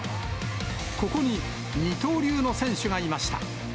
ここに、二刀流の選手がいました。